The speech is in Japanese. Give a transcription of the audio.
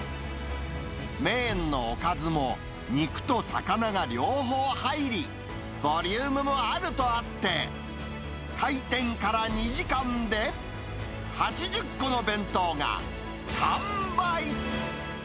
メインのおかずも、肉と魚が両方入り、ボリュームもあるとあって、開店から２時間で、８０個の弁当が完売。